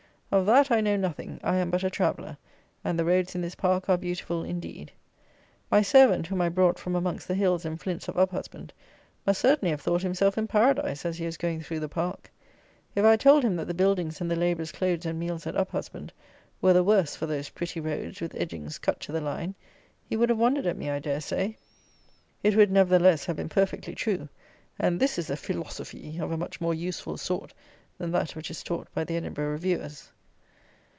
Of that I know nothing. I am but a traveller; and the roads in this park are beautiful indeed. My servant, whom I brought from amongst the hills and flints of Uphusband, must certainly have thought himself in Paradise as he was going through the Park. If I had told him that the buildings and the labourers' clothes and meals, at Uphusband, were the worse for those pretty roads with edgings cut to the line, he would have wondered at me, I dare say. It would, nevertheless, have been perfectly true; and this is feelosofee of a much more useful sort than that which is taught by the Edinburgh Reviewers.